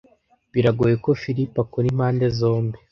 Biragoye ko Philip akora impande zombi.